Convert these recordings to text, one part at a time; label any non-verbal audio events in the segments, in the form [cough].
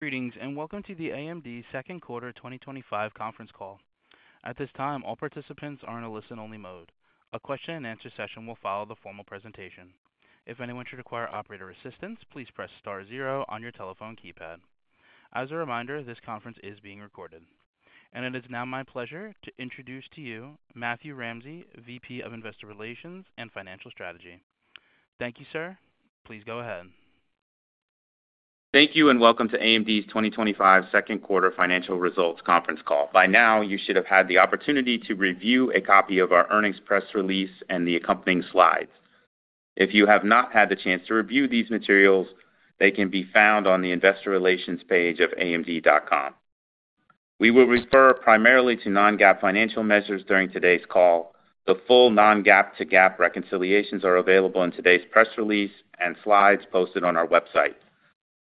Greetings, and welcome to the AMD second quarter 2025 conference call. At this time, all participants are in a listen-only mode. A question and answer session will follow the formal presentation. If anyone should require operator assistance, please press star zero on your telephone keypad. As a reminder, this conference is being recorded. It is now my pleasure to introduce to you Matthew Ramsay, VP of Investor Relations and Financial Strategy. Thank you, sir. Please go ahead. Thank you, and welcome to AMD's 2025 second quarter financial results conference call. By now, you should have had the opportunity to review a copy of our earnings press release and the accompanying slides. If you have not had the chance to review these materials, they can be found on the Investor Relations page of amd.com. We will refer primarily to non-GAAP financial measures during today's call. The full non-GAAP to GAAP reconciliations are available in today's press release and slides posted on our website.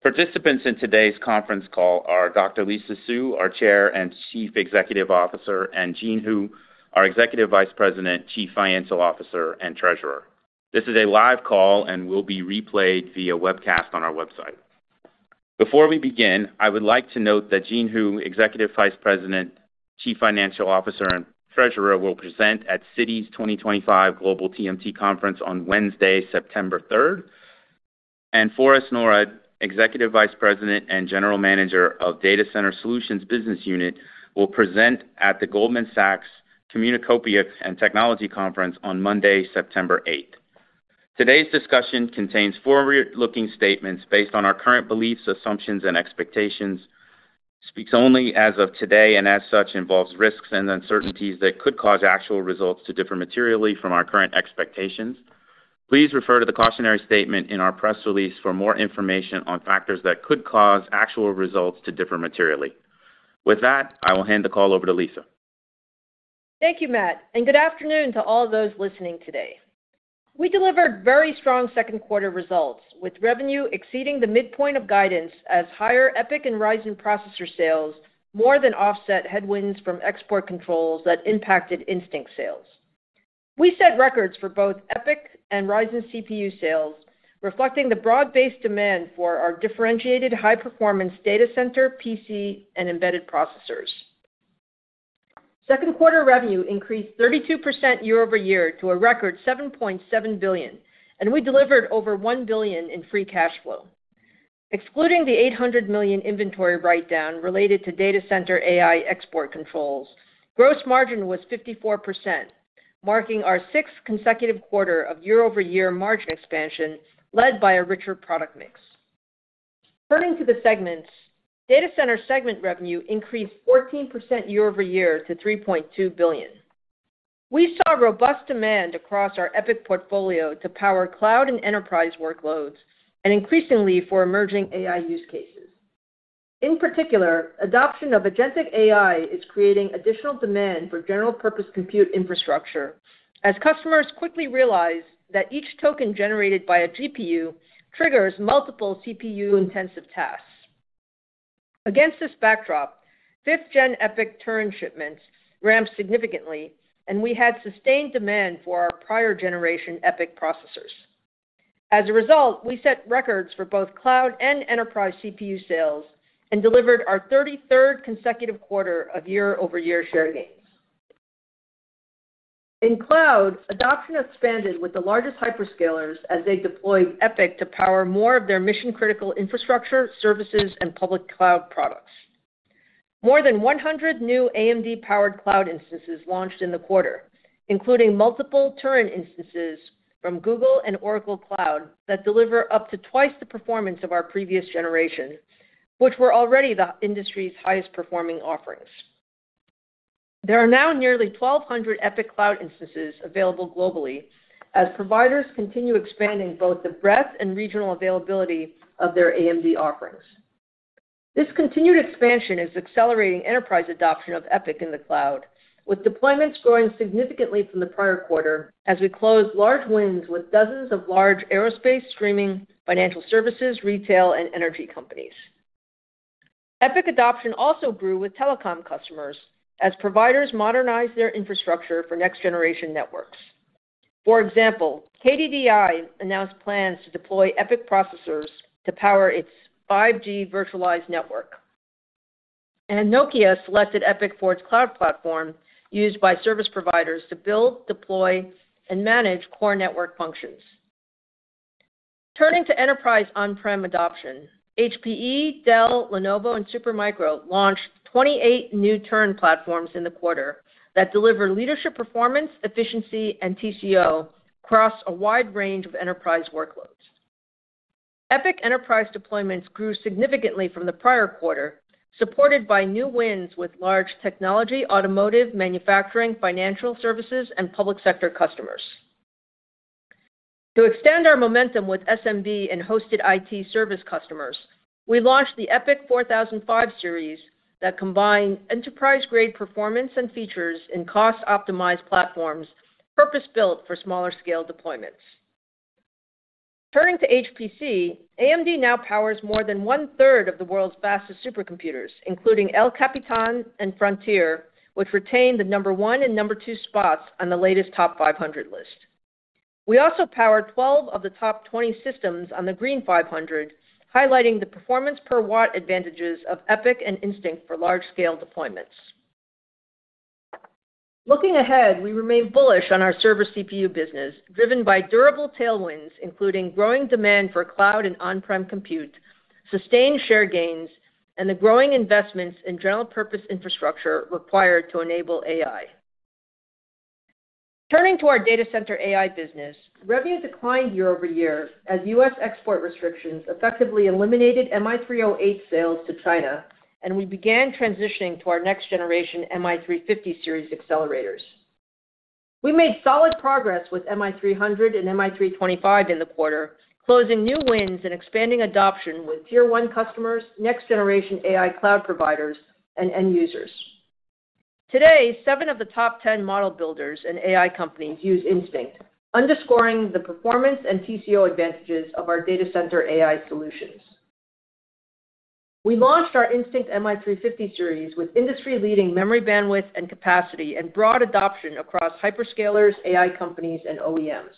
Participants in today's conference call are Dr. Lisa Su, our Chair and Chief Executive Officer, and Jean Hu, our Executive Vice President, Chief Financial Officer, and Treasurer. This is a live call and will be replayed via webcast on our website. Before we begin, I would like to note that Jean Hu, Executive Vice President, Chief Financial Officer, and Treasurer will present at Cities 2025 Global TMT Conference on Wednesday, September 3, and Forrest Norrod, Executive Vice President and General Manager of Data Center Solutions Business Unit, will present at the Goldman Sachs CommuniCopia and Technology Conference on Monday, September 8. Today's discussion contains forward-looking statements based on our current beliefs, assumptions, and expectations, speaks only as of today, and as such, involves risks and uncertainties that could cause actual results to differ materially from our current expectations. Please refer to the cautionary statement in our press release for more information on factors that could cause actual results to differ materially. With that, I will hand the call over to Lisa. Thank you, Matt, and good afternoon to all those listening today. We delivered very strong second quarter results, with revenue exceeding the midpoint of guidance as higher EPYC and Ryzen processor sales more than offset headwinds from export controls that impacted Instinct sales. We set records for both EPYC and Ryzen CPU sales, reflecting the broad-based demand for our differentiated high-performance data center, PC, and embedded processors. Second quarter revenue increased 32% year over year to a record $7.7 billion, and we delivered over $1 billion in free cash flow. Excluding the $800 million inventory write-down related to data center AI export controls, gross margin was 54%, marking our sixth consecutive quarter of year-over-year margin expansion led by a richer product mix. Turning to the segments, data center segment revenue increased 14% year over year to $3.2 billion. We saw robust demand across our EPYC portfolio to power cloud and enterprise workloads, and increasingly for emerging AI use cases. In particular, adoption of agentic AI is creating additional demand for general-purpose compute infrastructure, as customers quickly realize that each token generated by a GPU triggers multiple CPU-intensive tasks. Against this backdrop, fifth-gen EPYC turn shipments ramped significantly, and we had sustained demand for our prior generation EPYC processors. As a result, we set records for both cloud and enterprise CPU sales and delivered our 33rd consecutive quarter of year-over-year share gains. In cloud, adoption expanded with the largest hyperscalers as they deployed EPYC to power more of their mission-critical infrastructure, services, and public cloud products. More than 100 new AMD-powered cloud instances launched in the quarter, including multiple turn instances from Google and Oracle Cloud that deliver up to twice the performance of our previous generation, which were already the industry's highest performing offerings. There are now nearly 1,200 EPYC cloud instances available globally as providers continue expanding both the breadth and regional availability of their AMD offerings. This continued expansion is accelerating enterprise adoption of EPYC in the cloud, with deployments growing significantly from the prior quarter as we close large wins with dozens of large aerospace, streaming, financial services, retail, and energy companies. EPYC adoption also grew with telecom customers as providers modernize their infrastructure for next-generation networks. For example, KDDI announced plans to deploy EPYC processors to power its 5G virtualized network, and Nokia selected EPYC for its cloud platform used by service providers to build, deploy, and manage core network functions. Turning to enterprise on-prem adoption, HPE, Dell, Lenovo, and Super Micro launched 28 new turn platforms in the quarter that deliver leadership performance, efficiency, and TCO across a wide range of enterprise workloads. EPYC enterprise deployments grew significantly from the prior quarter, supported by new wins with large technology, automotive, manufacturing, financial services, and public sector customers. To extend our momentum with SMB and hosted IT service customers, we launched the EPYC 4005 series that combined enterprise-grade performance and features in cost-optimized platforms purpose-built for smaller-scale deployments. Turning to HPC, AMD now powers more than one-third of the world's fastest supercomputers, including El Capitan and Frontier, which retain the number one and number two spots on the latest top 500 list. We also power 12 of the top 20 systems on the Green 500, highlighting the performance per watt advantages of EPYC and Instinct for large-scale deployments. Looking ahead, we remain bullish on our service CPU business, driven by durable tailwinds, including growing demand for cloud and on-prem compute, sustained share gains, and the growing investments in general-purpose infrastructure required to enable AI. Turning to our data center AI business, revenue declined year over year as U.S. export restrictions effectively eliminated MI-308 sales to China, and we began transitioning to our next-generation MI-350 series accelerators. We made solid progress with MI-300 and MI-325 in the quarter, closing new wins and expanding adoption with tier-one customers, next-generation AI cloud providers, and end users. Today, seven of the top 10 model builders and AI companies use Instinct, underscoring the performance and TCO advantages of our data center AI solutions. We launched our Instinct MI-350 series with industry-leading memory bandwidth and capacity and broad adoption across hyperscalers, AI companies, and OEMs.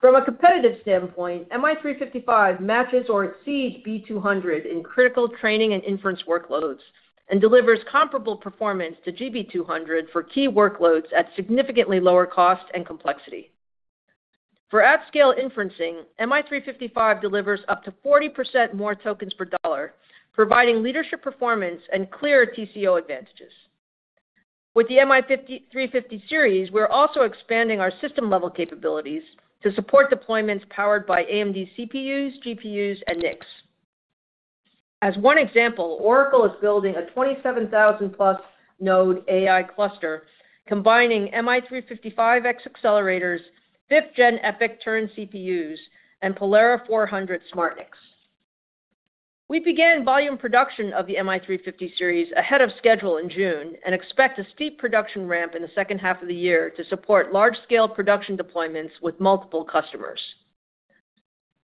From a competitive standpoint, MI-350 series matches or exceeds B200 in critical training and inference workloads and delivers comparable performance to GB200 for key workloads at significantly lower cost and complexity. For at-scale inferencing, MI-350 series delivers up to 40% more tokens per dollar, providing leadership performance and clear TCO advantages. With the MI-350 series, we're also expanding our system-level capabilities to support deployments powered by AMD CPUs, GPUs, and NICs. As one example, Oracle is building a 27,000-plus node AI cluster, combining MI-350 series accelerators, fifth-gen EPYC turn CPUs, and Polara 400 Smart NICs. We began volume production of the MI-350 series ahead of schedule in June and expect a steep production ramp in the second half of the year to support large-scale production deployments with multiple customers.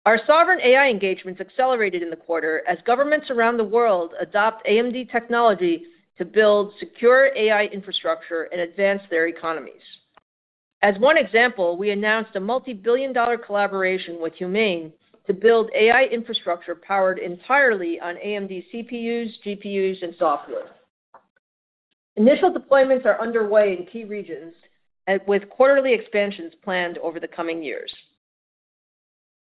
Our sovereign AI engagements accelerated in the quarter as governments around the world adopt AMD technology to build secure AI infrastructure and advance their economies. As one example, we announced a multi-billion dollar collaboration with a leading company to build AI infrastructure powered entirely on AMD CPUs, GPUs, and software. Initial deployments are underway in key regions, with quarterly expansions planned over the coming years.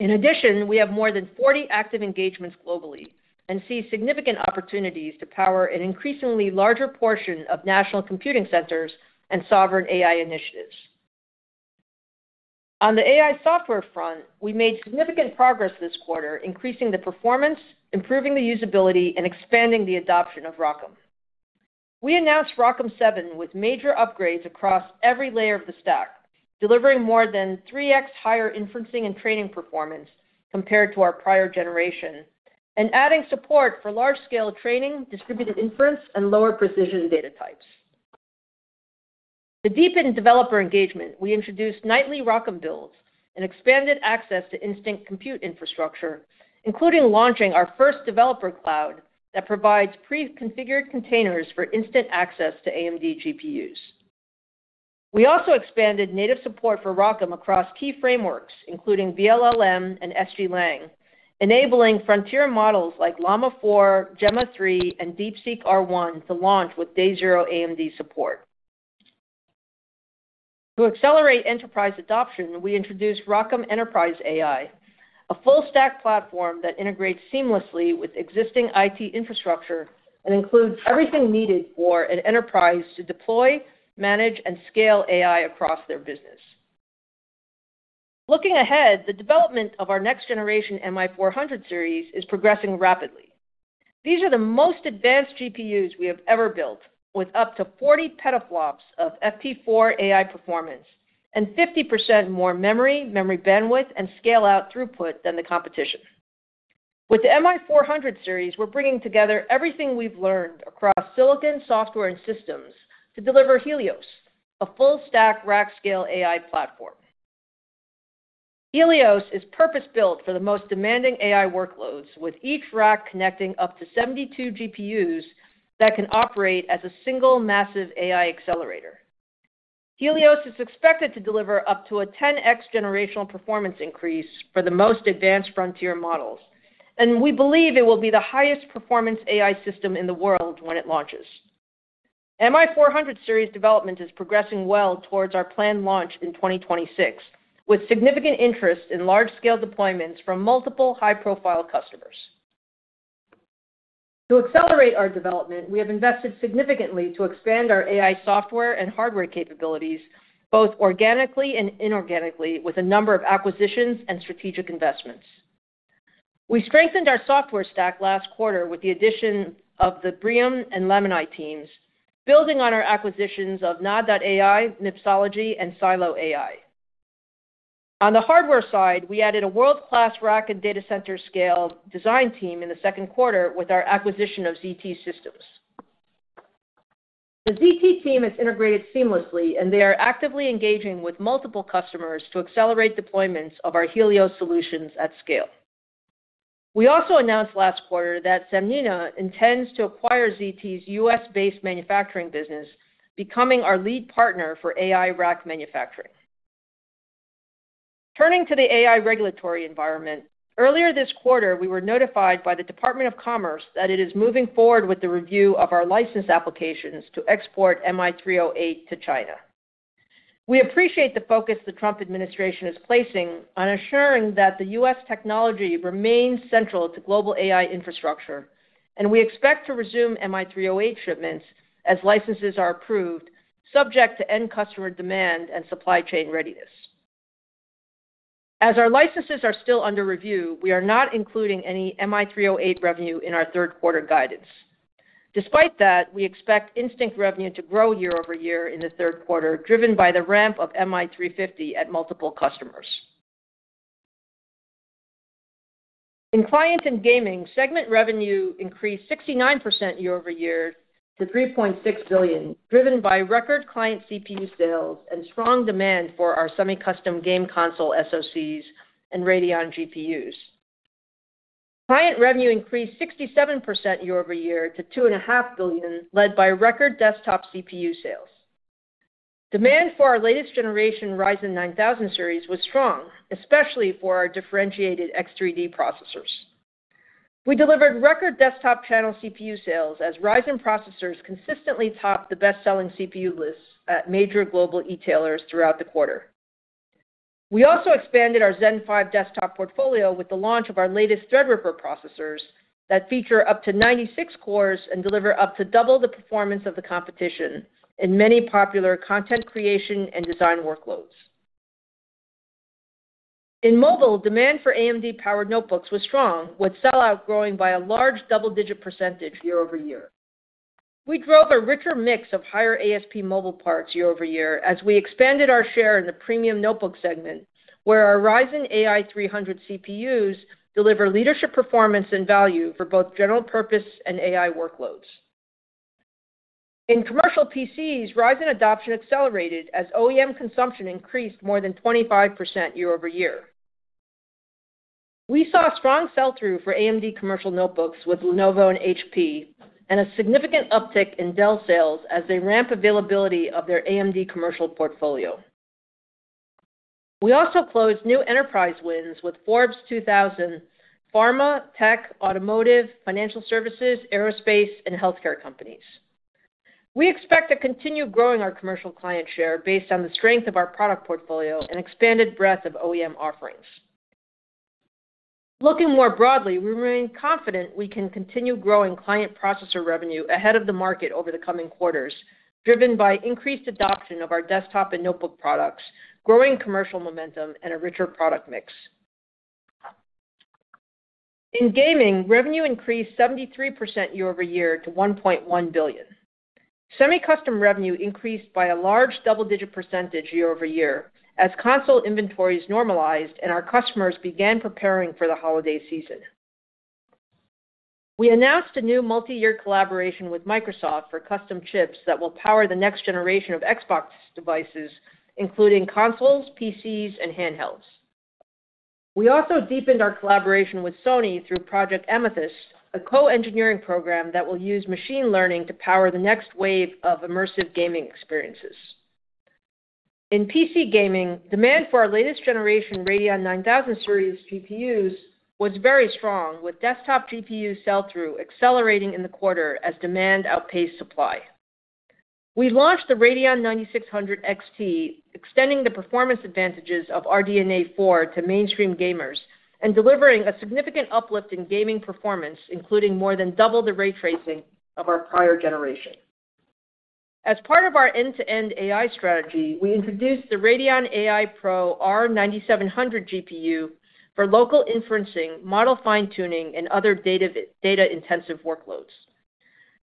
In addition, we have more than 40 active engagements globally and see significant opportunities to power an increasingly larger portion of national computing centers and sovereign AI initiatives. On the AI software front, we made significant progress this quarter, increasing the performance, improving the usability, and expanding the adoption of ROCm. We announced ROCm7 with major upgrades across every layer of the stack, delivering more than 3x higher inferencing and training performance compared to our prior generation and adding support for large-scale training, distributed inference, and lower precision data types. To deepen developer engagement, we introduced nightly ROCm builds and expanded access to Instinct compute infrastructure, including launching our first developer cloud that provides pre-configured containers for instant access to AMD GPUs. We also expanded native support for ROCm across key frameworks, including vLLM and SGLang, enabling Frontier models like Llama 4, Gemma 3, and DeepSeek R1 to launch with day zero AMD support. To accelerate enterprise adoption, we introduced ROCm Enterprise AI, a full-stack platform that integrates seamlessly with existing IT infrastructure and includes everything needed for an enterprise to deploy, manage, and scale AI across their business. Looking ahead, the development of our next-generation MI-400 series is progressing rapidly. These are the most advanced GPUs we have ever built, with up to 40 petaflops of FP4 AI performance and 50% more memory, memory bandwidth, and scale-out throughput than the competition. With the MI-400 series, we're bringing together everything we've learned across silicon, software, and systems to deliver Helios, a full-stack rack-scale AI platform. Helios is purpose-built for the most demanding AI workloads, with each rack connecting up to 72 GPUs that can operate as a single massive AI accelerator. Helios is expected to deliver up to a 10x generational performance increase for the most advanced Frontier models, and we believe it will be the highest performance AI system in the world when it launches. MI-400 series development is progressing well towards our planned launch in 2026, with significant interest in large-scale deployments from multiple high-profile customers. To accelerate our development, we have invested significantly to expand our AI software and hardware capabilities, both organically and inorganically, with a number of acquisitions and strategic investments. We strengthened our software stack last quarter with the addition of the BREEAM and Lemony teams, building on our acquisitions of Node.ai, MIPSology, and SiloAI. On the hardware side, we added a world-class rack and data center scale design team in the second quarter with our acquisition of ZT Systems. The ZT team has integrated seamlessly, and they are actively engaging with multiple customers to accelerate deployments of our Helios solutions at scale. We also announced last quarter that Sanmina intends to acquire ZT Systems' U.S.-based manufacturing business, becoming our lead partner for AI rack manufacturing. Turning to the AI regulatory environment, earlier this quarter, we were notified by the Department of Commerce that it is moving forward with the review of our license applications to export Instinct MI-308 GPU to China. We appreciate the focus the Trump administration is placing on assuring that U.S. technology remains central to global AI infrastructure, and we expect to resume Instinct MI-308 shipments as licenses are approved, subject to end customer demand and supply chain readiness. As our licenses are still under review, we are not including any Instinct MI-308 revenue in our third quarter guidance. Despite that, we expect Instinct revenue to grow year over year in the third quarter, driven by the ramp of Instinct MI-350 at multiple customers. In client and gaming, segment revenue increased 69% year over year to $3.6 billion, driven by record client CPU sales and strong demand for our semi-custom game console SoCs and Radeon GPUs. Client revenue increased 67% year over year to $2.5 billion, led by record desktop CPU sales. Demand for our latest generation Ryzen 9000 series was strong, especially for our differentiated X3D processors. We delivered record desktop channel CPU sales as Ryzen processors consistently topped the best-selling CPU lists at major global e-tailers throughout the quarter. We also expanded our Zen 5 desktop portfolio with the launch of our latest Threadripper processors that feature up to 96 cores and deliver up to double the performance of the competition in many popular content creation and design workloads. In mobile, demand for AMD-powered notebooks was strong, with sell-out growing by a large double-digit percentage year over year. We drove a richer mix of higher ASP mobile parts year over year as we expanded our share in the premium notebook segment, where our Ryzen AI 300 CPUs deliver leadership performance and value for both general purpose and AI workloads. In commercial PCs, Ryzen adoption accelerated as OEM consumption increased more than 25% year over year. We saw strong sell-through for AMD commercial notebooks with Lenovo and HP, and a significant uptick in Dell sales as they ramp availability of their AMD commercial portfolio. We also closed new enterprise wins with Forbes 2000, pharma tech, automotive, financial services, aerospace, and healthcare companies. We expect to continue growing our commercial client share based on the strength of our product portfolio and expanded breadth of OEM offerings. Looking more broadly, we remain confident we can continue growing client processor revenue ahead of the market over the coming quarters, driven by increased adoption of our desktop and notebook products, growing commercial momentum, and a richer product mix. In gaming, revenue increased 73% year over year to $1.1 billion. Semi-custom revenue increased by a large double-digit % year over year as console inventories normalized and our customers began preparing for the holiday season. We announced a new multi-year collaboration with Microsoft for custom chips that will power the next generation of Xbox devices, including consoles, PCs, and handhelds. We also deepened our collaboration with Sony through Project Amethyst, a co-engineering program that will use machine learning to power the next wave of immersive gaming experiences. In PC gaming, demand for our latest generation Radeon 9000 series GPUs was very strong, with desktop GPU sell-through accelerating in the quarter as demand outpaced supply. We launched the Radeon 9600 XT, extending the performance advantages of RDNA 4 to mainstream gamers and delivering a significant uplift in gaming performance, including more than double the ray tracing of our prior generation. As part of our end-to-end AI strategy, we introduced the Radeon AI Pro R9700 GPU for local inferencing, model fine-tuning, and other data-intensive workloads.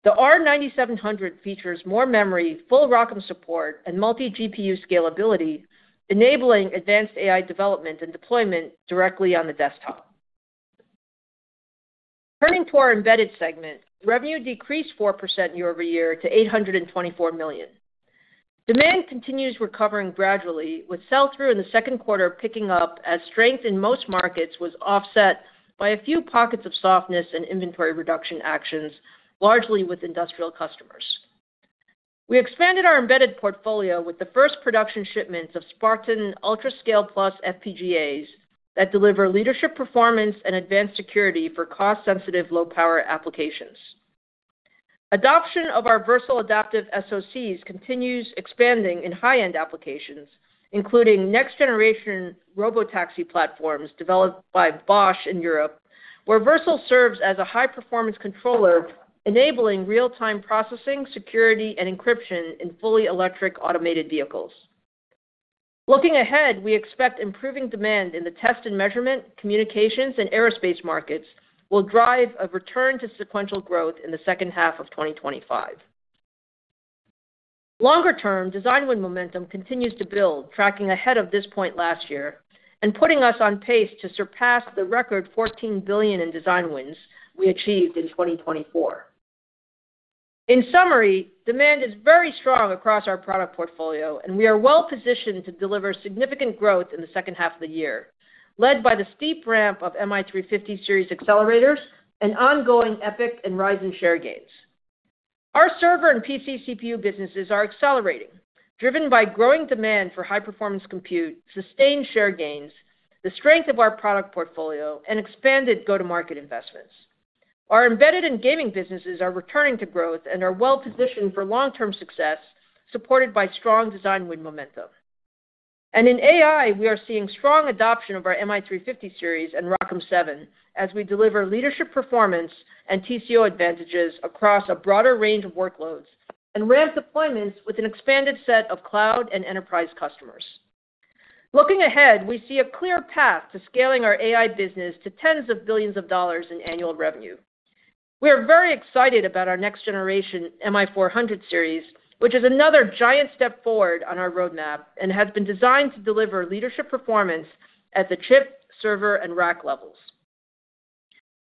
The R9700 features more memory, full ROCm support, and multi-GPU scalability, enabling advanced AI development and deployment directly on the desktop. Turning to our embedded segment, revenue decreased 4% year over year to $824 million. Demand continues recovering gradually, with sell-through in the second quarter picking up as strength in most markets was offset by a few pockets of softness and inventory reduction actions, largely with industrial customers. We expanded our embedded portfolio with the first production shipments of Spartan UltraScale+ FPGA that deliver leadership performance and advanced security for cost-sensitive low-power applications. Adoption of our Versal adaptive SoCs continues expanding in high-end applications, including next-generation robotaxi platforms developed by Bosch in Europe, where Versal serves as a high-performance controller, enabling real-time processing, security, and encryption in fully electric automated vehicles. Looking ahead, we expect improving demand in the test and measurement, communications, and aerospace markets will drive a return to sequential growth in the second half of 2025. Longer-term, design win momentum continues to build, tracking ahead of this point last year and putting us on pace to surpass the record $14 billion in design wins we achieved in 2024. In summary, demand is very strong across our product portfolio, and we are well positioned to deliver significant growth in the second half of the year, led by the steep ramp of MI-350 series accelerators and ongoing EPYC and Ryzen share gains. Our server and PC CPU businesses are accelerating, driven by growing demand for high-performance compute, sustained share gains, the strength of our product portfolio, and expanded go-to-market investments. Our embedded and gaming businesses are returning to growth and are well positioned for long-term success, supported by strong design win momentum. In AI, we are seeing strong adoption of our MI-350 series and ROCm7 as we deliver leadership performance and TCO advantages across a broader range of workloads and ramp deployments with an expanded set of cloud and enterprise customers. Looking ahead, we see a clear path to scaling our AI business to tens of billions of dollars in annual revenue. We are very excited about our next-generation MI-400 series, which is another giant step forward on our roadmap and has been designed to deliver leadership performance at the chip, server, and rack levels.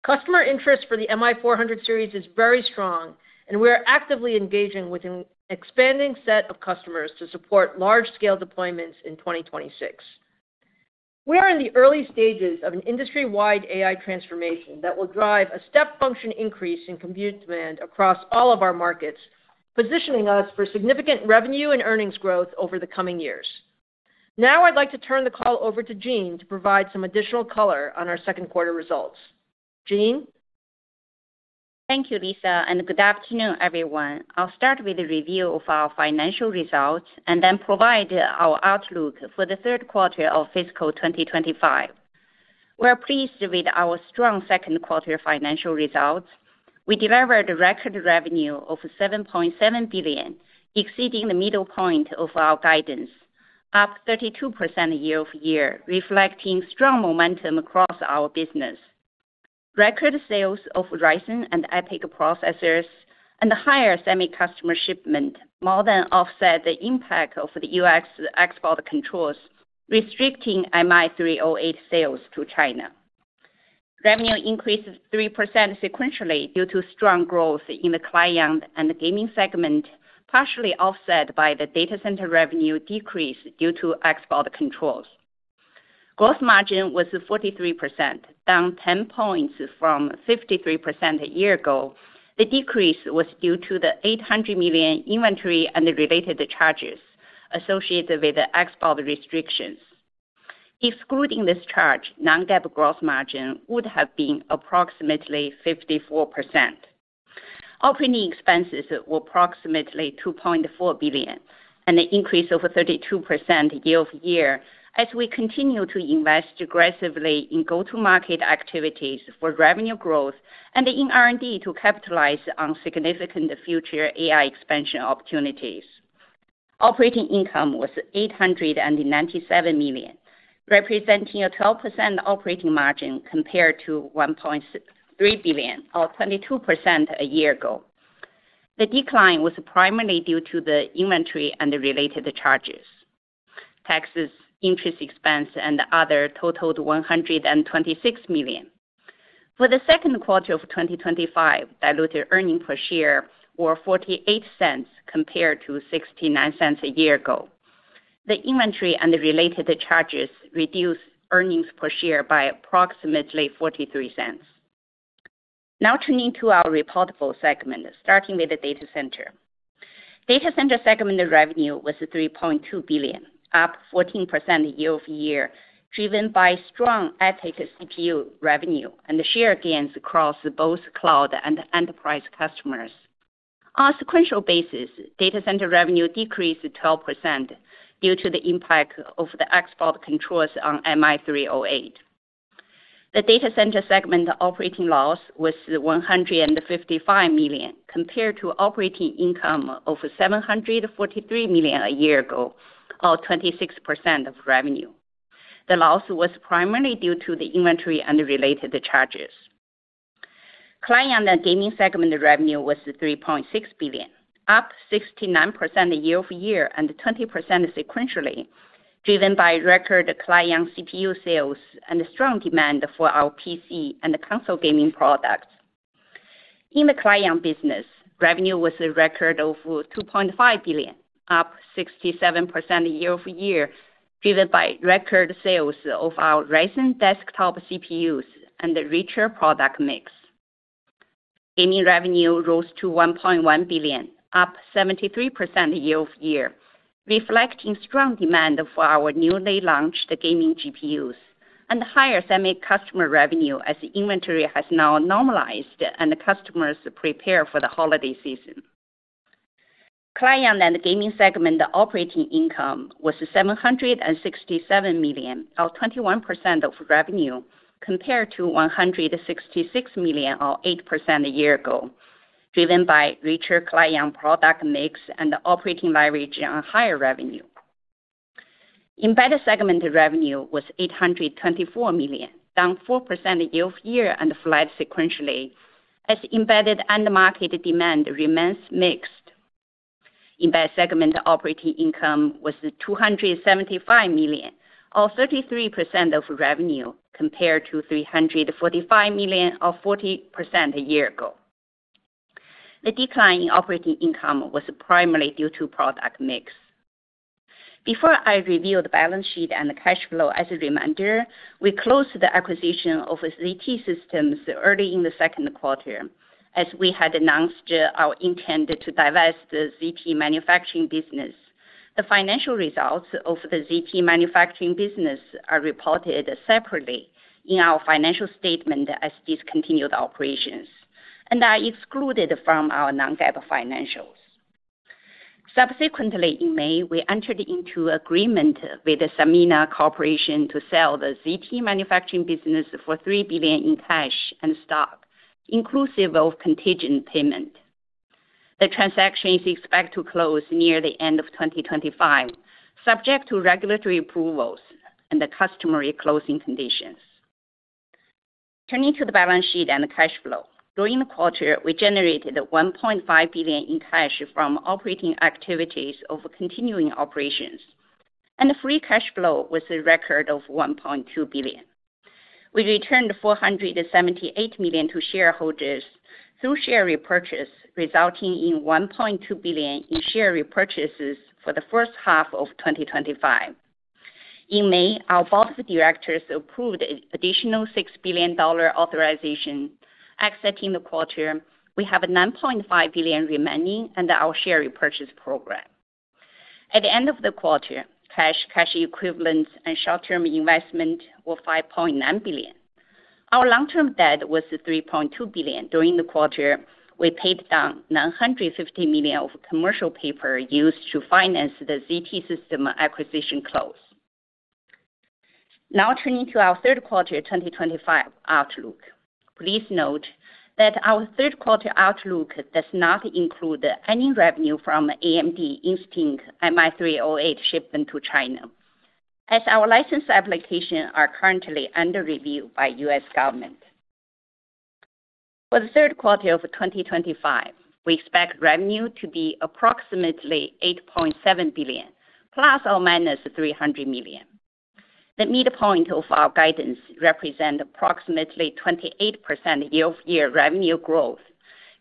Customer interest for the MI-400 series is very strong, and we are actively engaging with an expanding set of customers to support large-scale deployments in 2026. We are in the early stages of an industry-wide AI transformation that will drive a step function increase in compute demand across all of our markets, positioning us for significant revenue and earnings growth over the coming years. Now, I'd like to turn the call over to Jean to provide some additional color on our second quarter results. Jean? Thank you, Lisa, and good afternoon, everyone. I'll start with a review of our financial results and then provide our outlook for the third quarter of fiscal 2025. We are pleased with our strong second quarter financial results. We delivered record revenue of $7.7 billion, exceeding the midpoint of our guidance, up 32% year over year, reflecting strong momentum across our business. Record sales of Ryzen and EPYC processors and higher semi-custom shipments more than offset the impact of the U.S. export controls, restricting Instinct MI-308 sales to China. Revenue increased 3% sequentially due to strong growth in the client and gaming segment, partially offset by the data center revenue decrease due to export controls. Gross margin was 43%, down 10 points from 53% a year ago. The decrease was due to the $800 million inventory and related charges associated with export restrictions. Excluding this charge, non-GAAP gross margin would have been approximately 54%. Operating expenses were approximately $2.4 billion, and the increase of 32% year over year as we continue to invest aggressively in go-to-market activities for revenue growth and in R&D to capitalize on significant future AI expansion opportunities. Operating income was $897 million, representing a 12% operating margin compared to $1.3 billion, up 22% a year ago. The decline was primarily due to the inventory and related charges. Taxes, interest expense, and other totaled $126 million. For the second quarter of 2025, diluted earnings per share were $0.48 compared to $0.69 a year ago. The inventory and related charges reduced earnings per share by approximately $0.43. Now, turning to our reportable segment, starting with the data center. Data center segment revenue was $3.2 billion, up 14% year over year, driven by strong EPYC CPU revenue and share gains across both cloud and enterprise customers. On a sequential basis, data center revenue decreased 12% due to the impact of the export controls on Instinct MI-308 GPU. The data center segment operating loss was $155 million compared to operating income of $743 million a year ago, up 26% of revenue. The loss was primarily due to the inventory and related charges. Client and gaming segment revenue was $3.6 billion, up 69% year over year and 20% sequentially, driven by record client CPU sales and strong demand for our PC and console gaming products. In the client business, revenue was a record of $2.5 billion, up 67% year over year, driven by record sales of our Ryzen desktop CPUs and the richer product mix. Gaming revenue rose to $1.1 billion, up 73% year over year, reflecting strong demand for our newly launched gaming GPUs and higher semi-customer revenue as inventory has now normalized and customers prepare for the holiday season. Client and gaming segment operating income was $767 million, up 21% of revenue compared to $166 million, up 8% a year ago, driven by richer client product mix and operating leverage on higher revenue. Embedded segment revenue was $824 million, down 4% year over year and flat sequentially, as embedded end market demand remains mixed. Embedded segment operating income was $275 million, up 33% of revenue compared to $345 million, up 40% a year ago. The decline in operating income was primarily due to product mix. Before I review the balance sheet and the cash flow, as a reminder, we closed the acquisition of ZT Systems early in the second quarter. As we had announced our intent to divest the ZT manufacturing business, the financial results of the ZT manufacturing business are reported separately in our financial statement as discontinued operations and are excluded from our non-GAAP financials. Subsequently, in May, we entered into agreement withSanmina Corporation to sell the ZT manufacturing business for $3 billion in cash and stock, inclusive of contingent payment. The transaction is expected to close near the end of 2025, subject to regulatory approvals and customary closing conditions. Turning to the balance sheet and the cash flow, during the quarter, we generated $1.5 billion in cash from operating activities of continuing operations and free cash flow was a record of $1.2 billion. We returned $478 million to shareholders through share repurchase, resulting in $1.2 billion in share repurchases for the first half of 2025. In May, our board of directors approved an additional $6 billion authorization, and at the end of the quarter we have $9.5 billion remaining in our share repurchase program. At the end of the quarter, cash, cash equivalents, and short-term investment were $5.9 billion. Our long-term debt was $3.2 billion. During the quarter, we paid down $950 million of commercial paper used to finance the ZT Systems acquisition close. Now, turning to our third quarter 2025 outlook, please note that our third quarter outlook does not include any revenue from AMD Instinct MI-308 shipment to China, as our license applications are currently under review by the U.S. government. For the third quarter of 2025, we expect revenue to be approximately $8.7 billion, plus or minus $300 million. The midpoint of our guidance represents approximately 28% year-over-year revenue growth,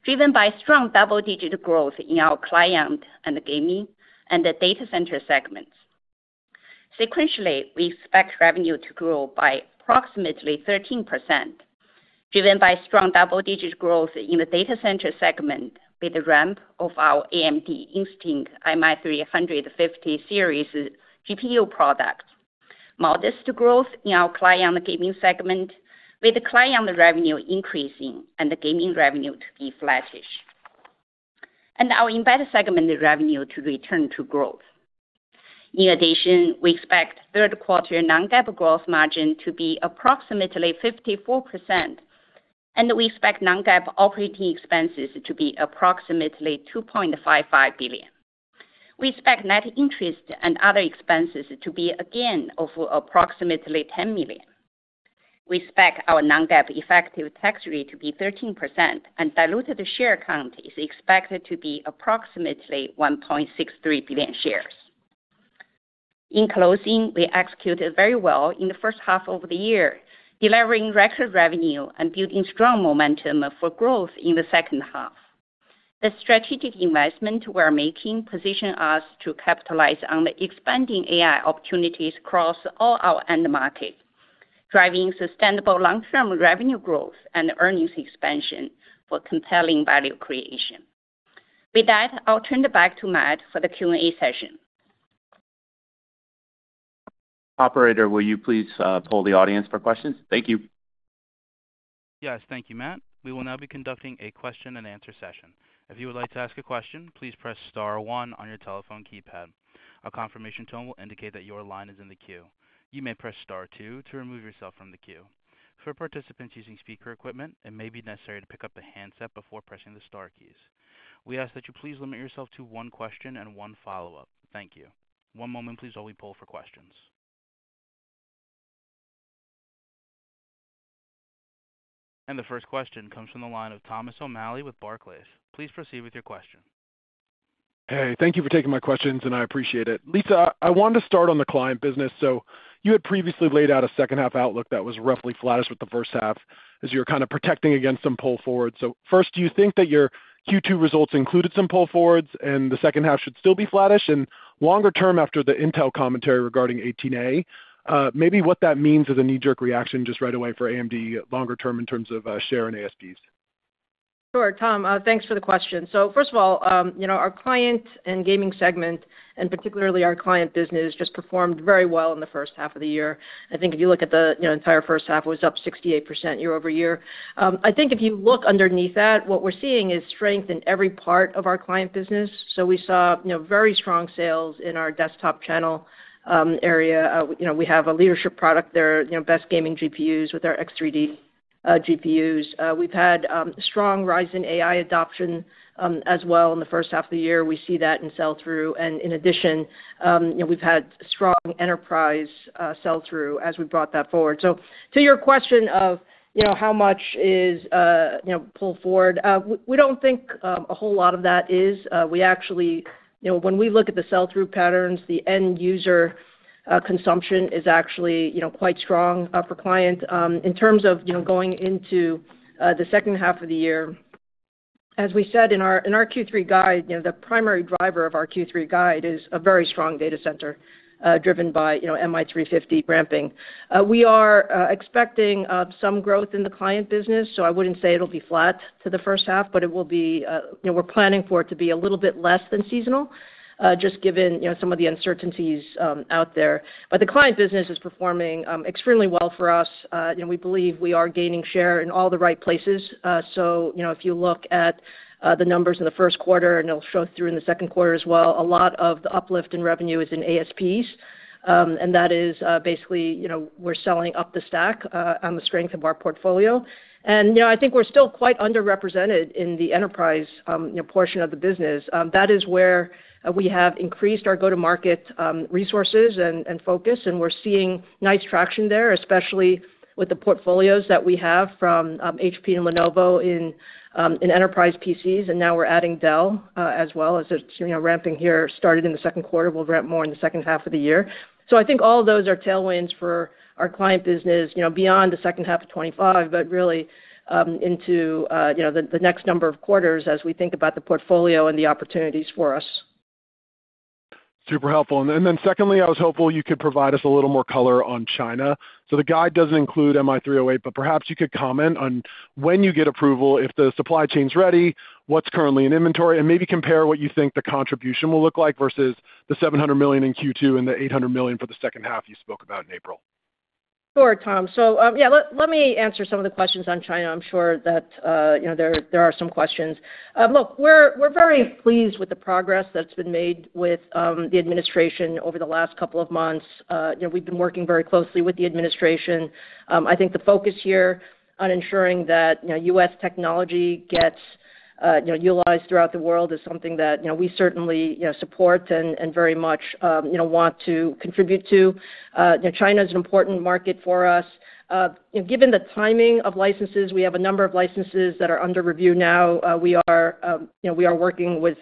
driven by strong double-digit growth in our client and gaming and the data center segments. Sequentially, we expect revenue to grow by approximately 13%, driven by strong double-digit growth in the data center segment with the ramp of our AMD Instinct MI-350 series GPU products, modest growth in our client gaming segment with client revenue increasing and gaming revenue to be flattish, and our embedded segment revenue to return to growth. In addition, we expect third quarter non-GAAP gross margin to be approximately 54%, and we expect non-GAAP operating expenses to be approximately $2.55 billion. We expect net interest and other expenses to be a gain of approximately $10 million. We expect our non-GAAP effective tax rate to be 13%, and diluted share count is expected to be approximately 1.63 billion shares. In closing, we executed very well in the first half of the year, delivering record revenue and building strong momentum for growth in the second half. The strategic investment we're making positions us to capitalize on the expanding AI opportunities across all our end markets, driving sustainable long-term revenue growth and earnings expansion for compelling value creation. With that, I'll turn it back to Matt for the Q&A session. Operator, will you please poll the audience for questions? Thank you. Yes, thank you, Matt. We will now be conducting a question and answer session. If you would like to ask a question, please press star one on your telephone keypad. A confirmation tone will indicate that your line is in the queue. You may press star two to remove yourself from the queue. For participants using speaker equipment, it may be necessary to pick up the handset before pressing the star keys. We ask that you please limit yourself to one question and one follow-up. Thank you. One moment, please, while we poll for questions. The first question comes from the line of Thomas O'Malley with Barclays. Please proceed with your question. Hey, thank you for taking my questions, and I appreciate it. Lisa, I wanted to start on the client business. You had previously laid out a second half outlook that was roughly flattish with the first half as you were kind of protecting against some pull forwards. First, do you think that your Q2 results included some pull forwards and the second half should still be flattish? Longer term, after the Intel commentary regarding 18A, maybe what that means is a knee-jerk reaction just right away for AMD longer term in terms of share and ASPs. Sure, Tom, thanks for the question. First of all, you know our client and gaming segment, and particularly our client business, just performed very well in the first half of the year. I think if you look at the entire first half, it was up 68% year over year. If you look underneath that, what we're seeing is strength in every part of our client business. We saw very strong sales in our desktop channel area. We have a leadership product there, best gaming GPUs with our X3D GPUs. We've had strong Ryzen AI adoption as well in the first half of the year. We see that in sell-through. In addition, we've had strong enterprise sell-through as we brought that forward. To your question of how much is pull forward, we don't think a whole lot of that is. When we look at the sell-through patterns, the end user consumption is actually quite strong for client in terms of going into the second half of the year. As we said in our Q3 guide, the primary driver of our Q3 guide is a very strong data center driven by MI-350 ramping. We are expecting some growth in the client business. I wouldn't say it'll be flat to the first half, but we're planning for it to be a little bit less than seasonal, just given some of the uncertainties out there. The client business is performing extremely well for us. We believe we are gaining share in all the right places. If you look at the numbers in the first quarter, and it'll show through in the second quarter as well, a lot of the uplift in revenue is in ASPs. That is basically, we're selling up the stack on the strength of our portfolio. I think we're still quite underrepresented in the enterprise portion of the business. That is where we have increased our go-to-market resources and focus. We're seeing nice traction there, especially with the portfolios that we have from HP and Lenovo in enterprise PCs. Now we're adding Dell as well, as it's ramping here, started in the second quarter, will ramp more in the second half of the year. All of those are tailwinds for our client business beyond the second half of 2025, but really into the next number of quarters as we think about the portfolio and the opportunities for us. Super helpful. Secondly, I was hopeful you could provide us a little more color on China. The guide doesn't include MI-308, but perhaps you could comment on when you get approval, if the supply chain's ready, what's currently in inventory, and maybe compare what you think the contribution will look like versus the $700 million in Q2 and the $800 million for the second half you spoke about in April. Sure, Tom. Let me answer some of the questions on China. I'm sure that there are some questions. Look, we're very pleased with the progress that's been made with the administration over the last couple of months. We've been working very closely with the administration. I think the focus here on ensuring that U.S. technology gets utilized throughout the world is something that we certainly support and very much want to contribute to. China is an important market for us. Given the timing of licenses, we have a number of licenses that are under review now. We are working with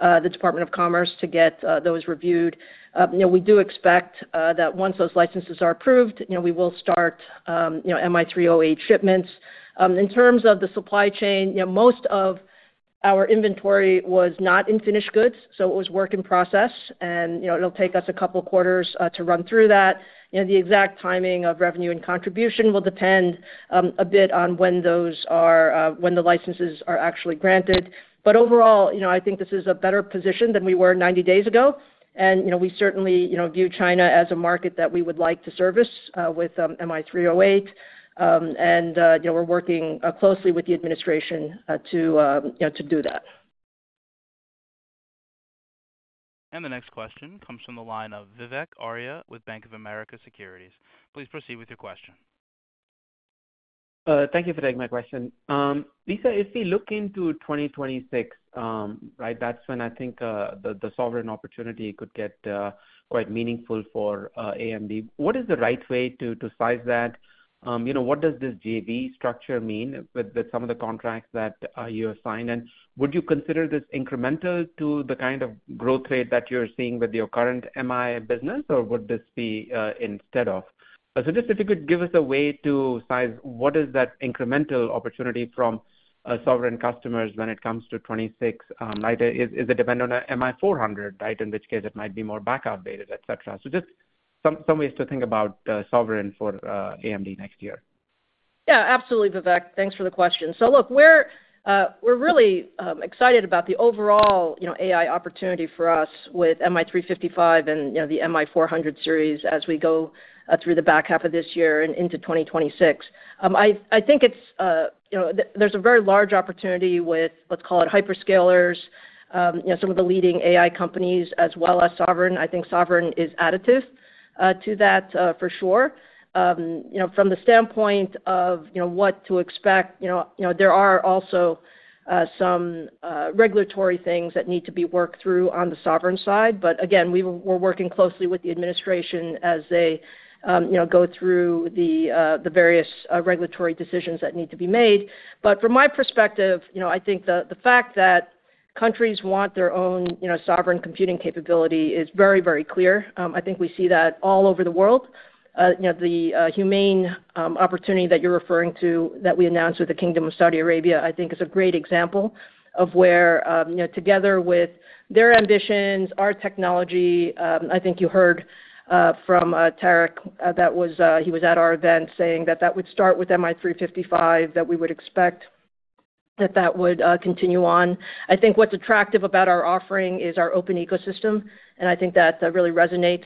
the Department of Commerce to get those reviewed. We do expect that once those licenses are approved, we will start MI-308 shipments. In terms of the supply chain, most of our inventory was not in finished goods, so it was work in process. It'll take us a couple of quarters to run through that. The exact timing of revenue and contribution will depend a bit on when the licenses are actually granted. Overall, I think this is a better position than we were 90 days ago. We certainly view China as a market that we would like to service with MI-308. We're working closely with the administration to do that. The next question comes from the line of Vivek Arya with Bank of America Securities. Please proceed with your question. Thank you for taking my question. Lisa, if we look into 2026, right, that's when I think the sovereign opportunity could get quite meaningful for AMD. What is the right way to size that? What does this JV structure mean with some of the contracts that you have signed? Would you consider this incremental to the kind of growth rate that you're seeing with your current MI business, or would this be instead of? If you could give us a way to size, what is that incremental opportunity from sovereign customers when it comes to 2026? Is it dependent on MI-400, in which case it might be more backup data, etc.? Just some ways to think about sovereign for AMD next year. Yeah, absolutely, Vivek. Thanks for the question. We're really excited about the overall AI opportunity for us with MI-355 and the MI-400 series as we go through the back half of this year and into 2026. I think there's a very large opportunity with, let's call it hyperscalers, some of the leading AI companies, as well as Sovereign. I think Sovereign is additive to that for sure. From the standpoint of what to expect, there are also some regulatory things that need to be worked through on the Sovereign side. We're working closely with the administration as they go through the various regulatory decisions that need to be made. From my perspective, I think the fact that countries want their own sovereign computing capability is very, very clear. I think we see that all over the world. The humane opportunity that you're referring to that we announced with the Kingdom of Saudi Arabia, I think, is a great example of where, together with their ambitions, our technology, I think you heard from Tarek that he was at our event saying that that would start with MI-355, that we would expect that that would continue on. I think what's attractive about our offering is our open ecosystem. I think that really resonates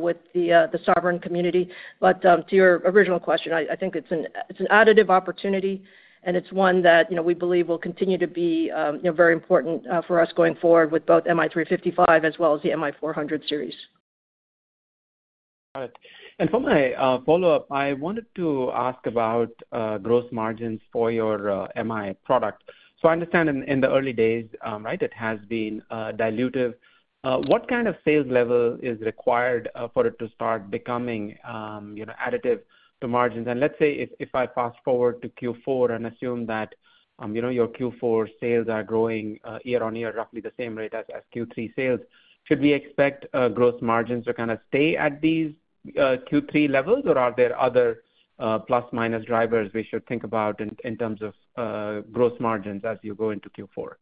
with the Sovereign community. To your original question, I think it's an additive opportunity. It's one that we believe will continue to be very important for us going forward with both MI-355 as well as the MI-400 series. Got it. For my follow-up, I wanted to ask about gross margins for your MI product. I understand in the early days, right, it has been dilutive. What kind of sales level is required for it to start becoming additive to margins? If I fast forward to Q4 and assume that your Q4 sales are growing year over year at roughly the same rate as Q3 sales, should we expect gross margins to kind of stay at these Q3 levels, or are there other plus-minus drivers we should think about in terms of gross margins as you go into Q4?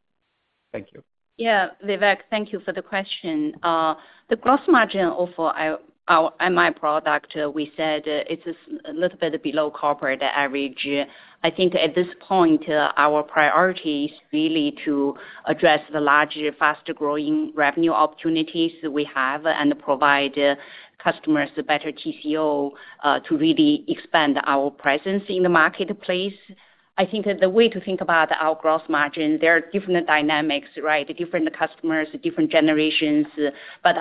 Thank you. Yeah, Vivek, thank you for the question. The gross margin of our MI product, we said it's a little bit below corporate average. At this point, our priority is really to address the larger, faster-growing revenue opportunities we have and provide customers better TCO to really expand our presence in the marketplace. The way to think about our gross margin, there are different dynamics, right, different customers, different generations.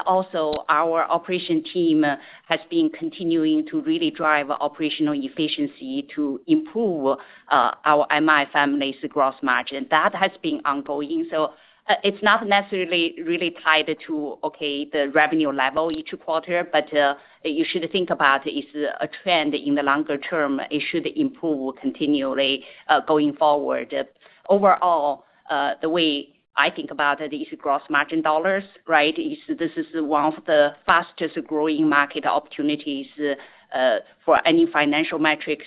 Also, our operation team has been continuing to really drive operational efficiency to improve our MI family's gross margin. That has been ongoing. It's not necessarily really tied to, OK, the revenue level each quarter, but you should think about it as a trend in the longer term. It should improve continually going forward. Overall, the way I think about it is gross margin dollars, right? This is one of the fastest-growing market opportunities for any financial metrics.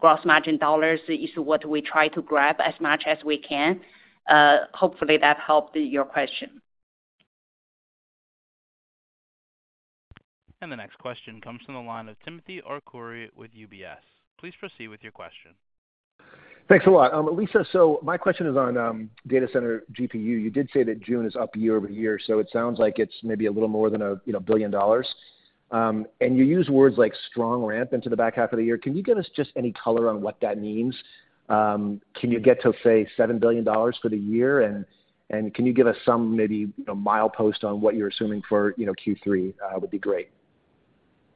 Gross margin dollars is what we try to grab as much as we can. Hopefully, that helped your question. The next question comes from the line of Timothy Arcuri with UBS. Please proceed with your question. Thanks a lot. Lisa, my question is on data center GPU. You did say that June is up year over year, so it sounds like it's maybe a little more than $1 billion. You use words like strong ramp into the back half of the year. Can you give us any color on what that means? Can you get to, say, $7 billion for the year? Can you give us some mile post on what you're assuming for Q3? That would be great.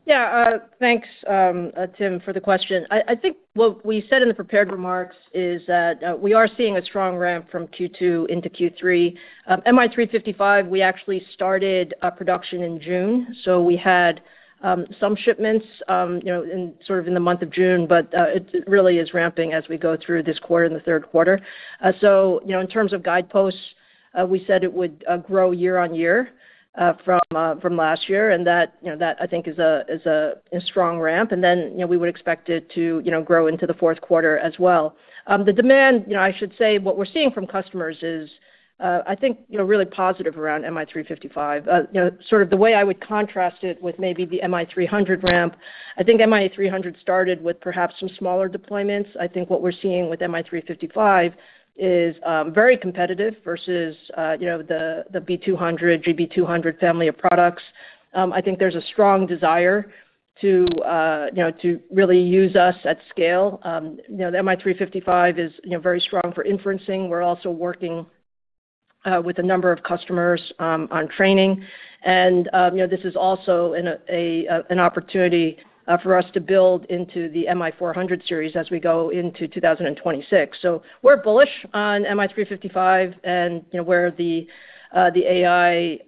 Yeah, thanks, Tim, for the question. I think what we said in the prepared remarks is that we are seeing a strong ramp from Q2 into Q3. MI-355, we actually started production in June. We had some shipments in the month of June, but it really is ramping as we go through this quarter and the third quarter. In terms of guideposts, we said it would grow year over year from last year. That, I think, is a strong ramp. We would expect it to grow into the fourth quarter as well. The demand, I should say, what we're seeing from customers is, I think, really positive around MI-355. The way I would contrast it with maybe the MI-300 ramp, I think MI-300 started with perhaps some smaller deployments. What we're seeing with MI-355 is very competitive versus the B200, GB200 family of products. I think there's a strong desire to really use us at scale. MI-355 is very strong for inferencing. We're also working with a number of customers on training. This is also an opportunity for us to build into the MI-400 series as we go into 2026. We're bullish on MI-355 and where the AI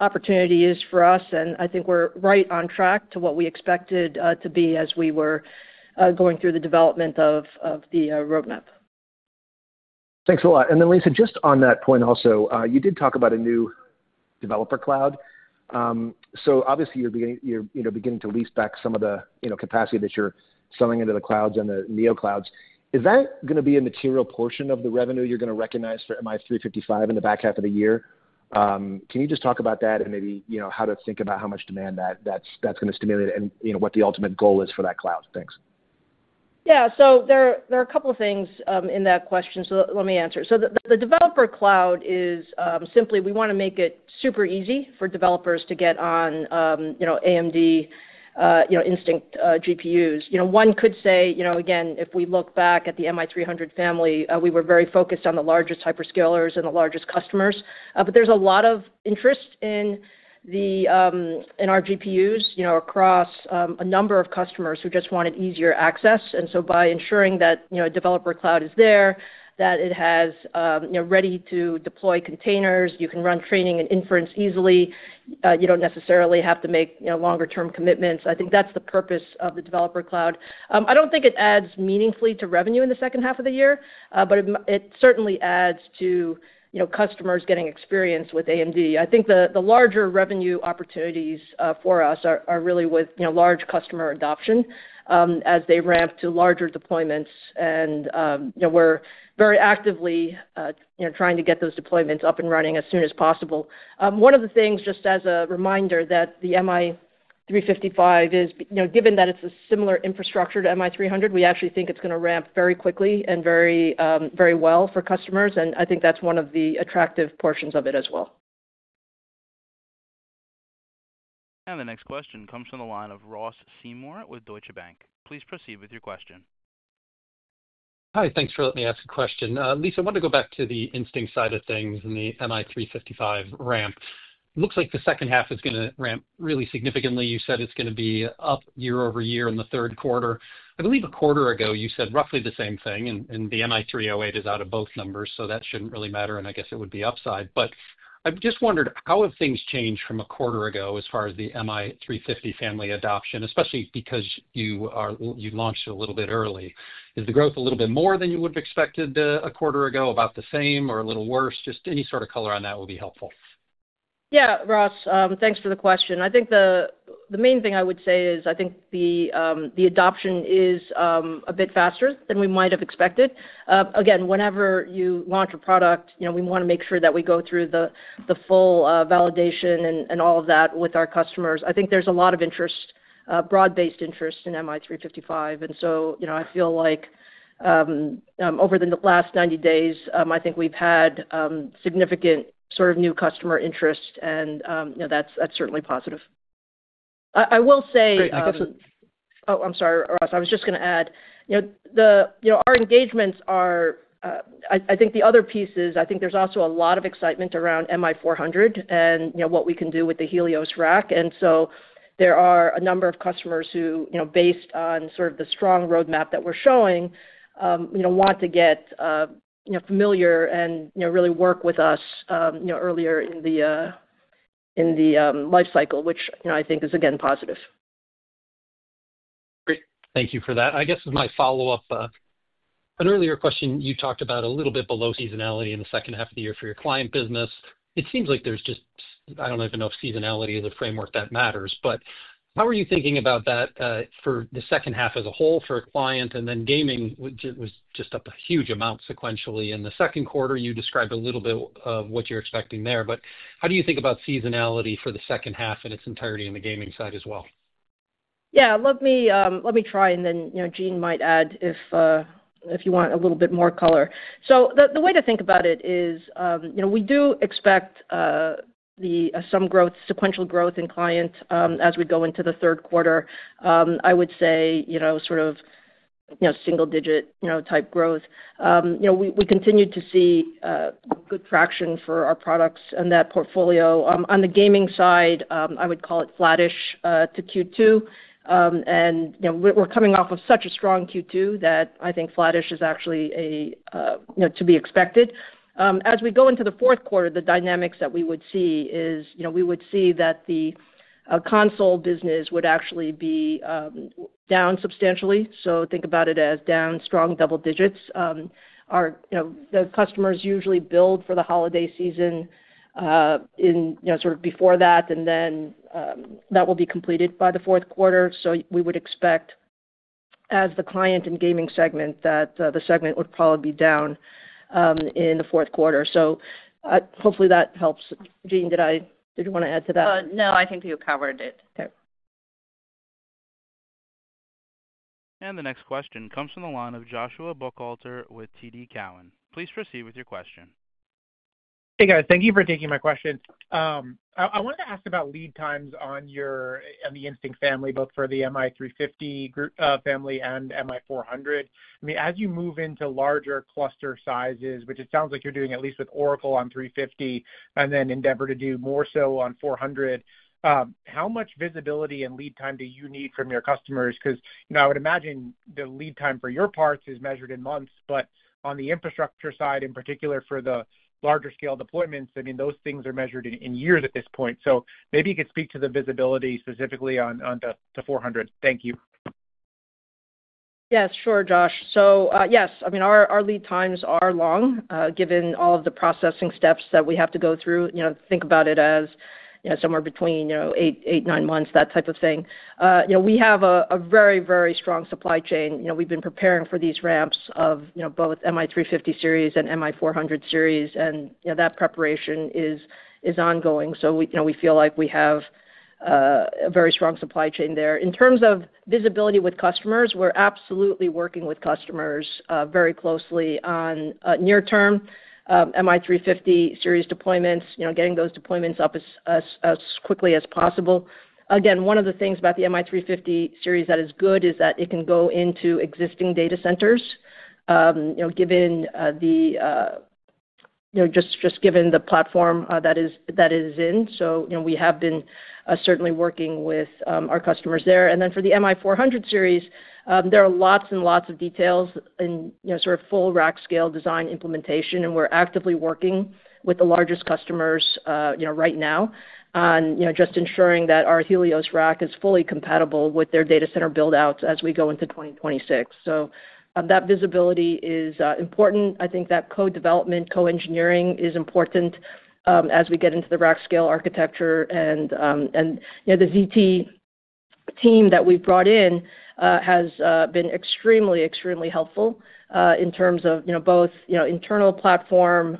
opportunity is for us. I think we're right on track to what we expected to be as we were going through the development of the roadmap. Thanks a lot. Lisa, just on that point also, you did talk about a new developer cloud. Obviously, you're beginning to lease back some of the capacity that you're selling into the clouds and the Neo clouds. Is that going to be a material portion of the revenue you're going to recognize for MI-355 in the back half of the year? Can you just talk about that and maybe how to think about how much demand that's going to stimulate and what the ultimate goal is for that cloud? Thanks. There are a couple of things in that question. Let me answer. The developer cloud is simply, we want to make it super easy for developers to get on AMD Instinct GPUs. One could say, again, if we look back at the MI-300 family, we were very focused on the largest hyperscalers and the largest customers. There is a lot of interest in our GPUs across a number of customers who just wanted easier access. By ensuring that a developer cloud is there, that it has ready to deploy containers, you can run training and inference easily. You don't necessarily have to make longer-term commitments. I think that's the purpose of the developer cloud. I don't think it adds meaningfully to revenue in the second half of the year, but it certainly adds to customers getting experience with AMD. The larger revenue opportunities for us are really with large customer adoption as they ramp to larger deployments. We're very actively trying to get those deployments up and running as soon as possible. One of the things, just as a reminder, that the MI-355 is, given that it's a similar infrastructure to MI-300, we actually think it's going to ramp very quickly and very well for customers. I think that's one of the attractive portions of it as well. The next question comes from the line of Ross Seymore with Deutsche Bank. Please proceed with your question. Hi, thanks for letting me ask a question. Lisa, I want to go back to the Instinct side of things and the MI-350 ramp. Looks like the second half is going to ramp really significantly. You said it's going to be up year over year in the third quarter. I believe a quarter ago, you said roughly the same thing. The MI-308 is out of both numbers, so that shouldn't really matter. I guess it would be upside. I've just wondered, how have things changed from a quarter ago as far as the MI-350 family adoption, especially because you launched it a little bit early? Is the growth a little bit more than you would have expected a quarter ago, about the same, or a little worse? Any sort of color on that would be helpful. Yeah, Ross, thanks for the question. I think the main thing I would say is I think the adoption is a bit faster than we might have expected. Whenever you launch a product, we want to make sure that we go through the full validation and all of that with our customers. I think there's a lot of interest, broad-based interest in MI-350 series. I feel like over the last 90 days, we've had significant sort of new customer interest, and that's certainly positive. I will say. Great, I guess. I'm sorry, Ross. I was just going to add, our engagements are, I think the other piece is I think there's also a lot of excitement around MI-400 and what we can do with the Helios rack. There are a number of customers who, based on sort of the strong roadmap that we're showing, want to get familiar and really work with us earlier in the lifecycle, which I think is, again, positive. Great, thank you for that. I guess as my follow-up, an earlier question, you talked about a little bit below seasonality in the second half of the year for your client business. It seems like there's just, I don't even know if seasonality is a framework that matters. How are you thinking about that for the second half as a whole for client? Gaming was just up a huge amount sequentially in the second quarter. You described a little bit of what you're expecting there. How do you think about seasonality for the second half in its entirety on the gaming side as well? Yeah, let me try. Jean might add if you want a little bit more color. The way to think about it is we do expect some growth, sequential growth in clients as we go into the third quarter. I would say sort of single-digit type growth. We continue to see good traction for our products and that portfolio. On the gaming side, I would call it flattish to Q2. We're coming off of such a strong Q2 that I think flattish is actually to be expected. As we go into the fourth quarter, the dynamics that we would see is we would see that the console business would actually be down substantially. Think about it as down strong double digits. The customers usually build for the holiday season sort of before that, and that will be completed by the fourth quarter. We would expect, as the client and gaming segment, that the segment would probably be down in the fourth quarter. Hopefully that helps. Jean, did you want to add to that? No, I think you covered it. OK. The next question comes from the line of Joshua Buchalter with TD Cowen. Please proceed with your question. Hey, guys, thank you for taking my question. I wanted to ask about lead times on the Instinct family, both for the MI-350 family and MI-400. I mean, as you move into larger cluster sizes, which it sounds like you're doing at least with Oracle on 350 and then endeavor to do more so on 400, how much visibility and lead time do you need from your customers? I would imagine the lead time for your parts is measured in months. On the infrastructure side, in particular for the larger scale deployments, those things are measured in years at this point. Maybe you could speak to the visibility specifically on the 400. Thank you. Yes, sure, Josh. Our lead times are long, given all of the processing steps that we have to go through. Think about it as somewhere between eight, nine months, that type of thing. We have a very, very strong supply chain. We've been preparing for these ramps of both MI-350 series and MI-400 series, and that preparation is ongoing. We feel like we have a very strong supply chain there. In terms of visibility with customers, we're absolutely working with customers very closely on near-term MI-350 series deployments, getting those deployments up as quickly as possible. One of the things about the MI-350 series that is good is that it can go into existing data centers, just given the platform that it is in. We have been certainly working with our customers there. For the MI-400 series, there are lots and lots of details in sort of full rack scale design implementation. We're actively working with the largest customers right now on just ensuring that our Helios rack is fully compatible with their data center build-outs as we go into 2026. That visibility is important. I think that co-development, co-engineering is important as we get into the rack scale architecture. The ZT team that we've brought in has been extremely, extremely helpful in terms of both internal platform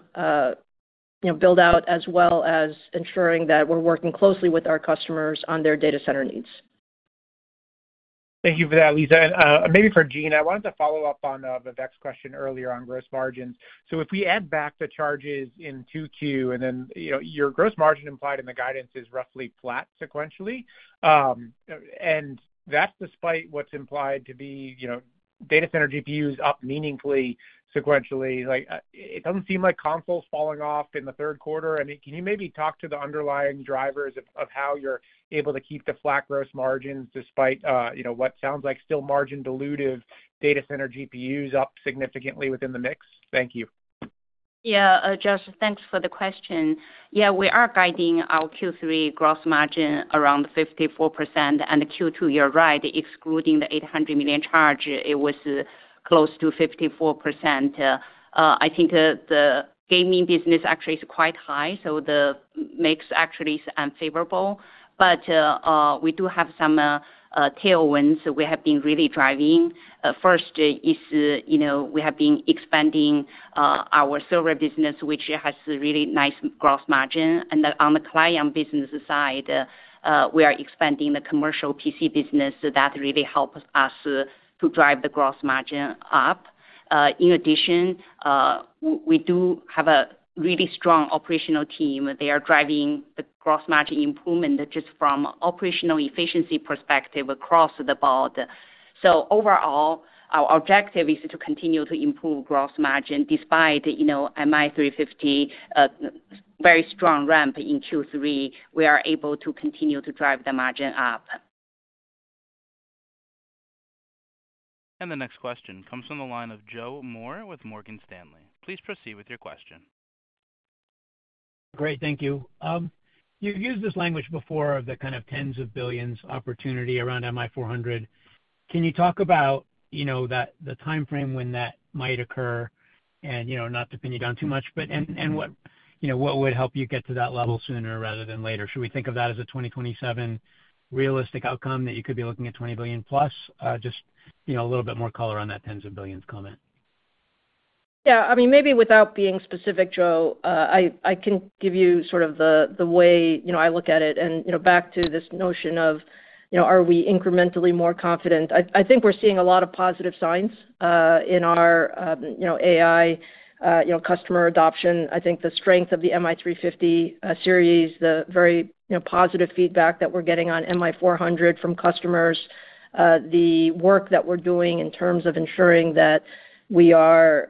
build-out, as well as ensuring that we're working closely with our customers on their data center needs. Thank you for that, Lisa. Maybe for Jean, I wanted to follow up on Vivek's question earlier on gross margins. If we add back the charges in Q2, then your gross margin implied in the guidance is roughly flat sequentially. That's despite what's implied to be data center GPUs up meaningfully sequentially. It doesn't seem like consoles falling off in the third quarter. Can you maybe talk to the underlying drivers of how you're able to keep the flat gross margins despite what sounds like still margin-dilutive data center GPUs up significantly within the mix? Thank you. Yeah, Josh, thanks for the question. Yeah, we are guiding our Q3 gross margin around 54%. The Q2, you're right, excluding the $800 million charge, it was close to 54%. I think the gaming business actually is quite high. The mix actually is unfavorable. We do have some tailwinds we have been really driving. First is we have been expanding our server business, which has a really nice gross margin. On the client business side, we are expanding the commercial PC business. That really helps us to drive the gross margin up. In addition, we do have a really strong operational team. They are driving the gross margin improvement just from an operational efficiency perspective across the board. Overall, our objective is to continue to improve gross margin. Despite MI-350's very strong ramp in Q3, we are able to continue to drive the margin up. The next question comes from the line of Joe Moore with Morgan Stanley. Please proceed with your question. Great, thank you. You've used this language before of the kind of tens of billions opportunity around MI-400. Can you talk about the time frame when that might occur? Not to pin you down too much, what would help you get to that level sooner rather than later? Should we think of that as a 2027 realistic outcome that you could be looking at $20 billion plus? Just a little bit more color on that tens of billions comment. Yeah, I mean, maybe without being specific, Joe, I can give you sort of the way I look at it. Back to this notion of are we incrementally more confident, I think we're seeing a lot of positive signs in our AI customer adoption. I think the strength of the MI-350 series, the very positive feedback that we're getting on MI-400 from customers, the work that we're doing in terms of ensuring that we are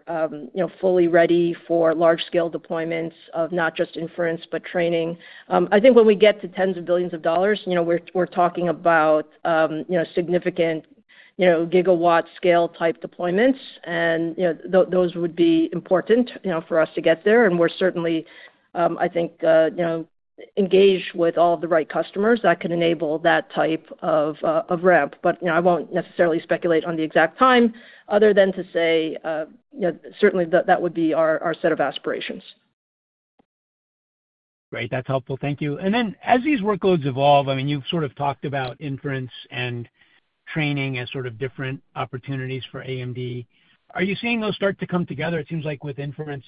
fully ready for large-scale deployments of not just inference, but training. I think when we get to tens of billions of dollars, we're talking about significant gigawatt scale type deployments. Those would be important for us to get there. We're certainly, I think, engaged with all of the right customers that could enable that type of ramp. I won't necessarily speculate on the exact time, other than to say certainly that would be our set of aspirations. Great, that's helpful. Thank you. As these workloads evolve, you've sort of talked about inference and training as sort of different opportunities for AMD. Are you seeing those start to come together? It seems like with inference,